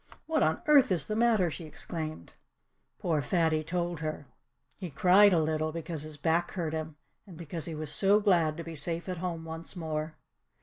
"What on earth is the matter?" she exclaimed. Poor Fatty told her. He cried a little, because his back hurt him, and because he was so glad to be safe at home once more.